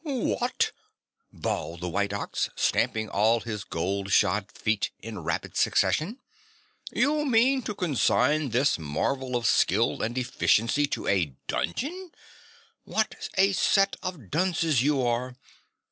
"WHAT?" bawled the white Ox, stamping all of his gold shod feet in rapid succession. "You mean to consign this marvel of skill and efficiency to a dungeon? What a set of dunces you are!